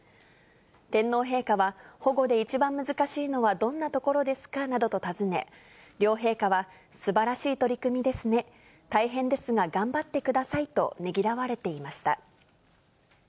天皇陛下は、保護で一番難しいのはどんなところですかなどと尋ね、両陛下はすばらしい取り組みですね、大変ですが頑張ってくださいとねぎらわれていました。